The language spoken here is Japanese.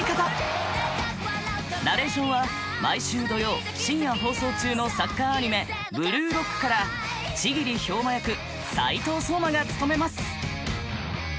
ナレーションは毎週土曜深夜放送中のサッカーアニメ『ブルーロック』から千切豹馬役斉藤壮馬が務めます！